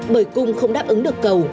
bởi cung không đáp ứng được cầu